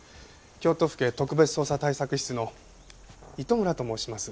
京都府警特別捜査対策室の糸村と申します。